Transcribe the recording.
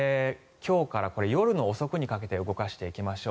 今日から夜遅くにかけて動かしていきましょう。